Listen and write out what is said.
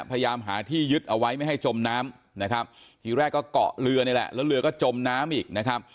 พยายามหาที่ยึดเอาไว้ไม่ให้จมน้ำนะครับทีแรกก็เกาะเรือนี่แหละแล้วเรือก็จมน้ำอีกนะครับ